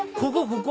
ここ